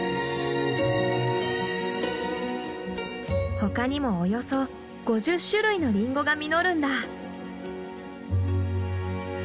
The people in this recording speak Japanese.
他にもおよそ５０種類のリンゴが実るんだ。